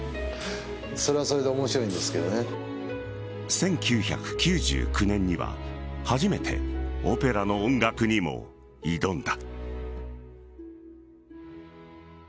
１９９９年には初めてオペラの音楽にも挑んだ。